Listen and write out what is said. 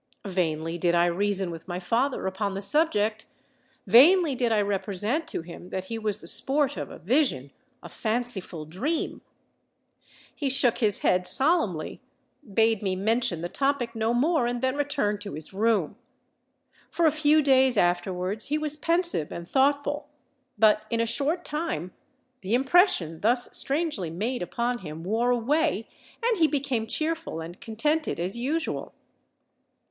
_'—Vainly did I reason with my father upon the subject: vainly did I represent to him that he was the sport of a vision—a fanciful dream. He shook his head solemnly, bade me mention the topic no more, and then returned to his room. For a few days afterwards he was pensive and thoughtful; but in a short time the impression thus strangely made upon him wore away, and he became cheerful and contented as usual."